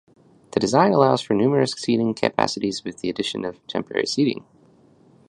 The design allows for numerous seating capacities with the addition of temporary seating.